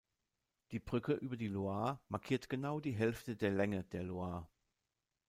Die Brücke über die Loire markiert genau die Hälfte der Länge der Loire.